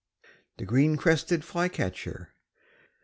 THE GREEN CRESTED FLYCATCHER.